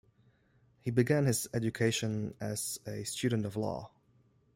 He began his education as a student of law.